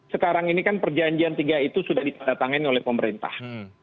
sekarang ini kan perjanjian tiga itu sudah ditandatangani oleh pemerintah